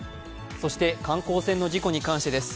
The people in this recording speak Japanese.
そして、観光船の事故に関してです